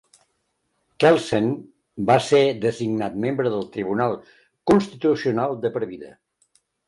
Kelsen va ser designat membre del Tribunal Constitucional de per vida.